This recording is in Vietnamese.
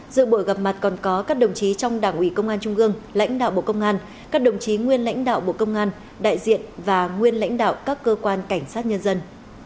dự buổi gặp mặt còn có các đồng chí trong đảng ủy công an trung gương lãnh đạo bộ công an các đồng chí nguyên lãnh đạo bộ công an đại diện và nguyên lãnh đạo các cơ quan cảnh sát nhân dân